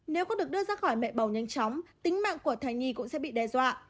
nếu có được đưa ra khỏi mẹ bầu nhanh chóng tính mạng của thai nhi cũng sẽ bị đe dọa